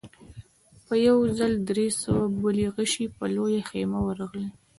په يوه ځل درې سوه بلې غشې پر لويه خيمه ورغلې.